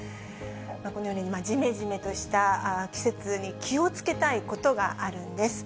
このように、じめじめとした季節に気をつけたいことがあるんです。